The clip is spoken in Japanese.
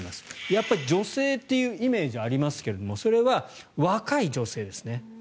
やっぱり女性というイメージがありますけれどそれは若い女性ですね。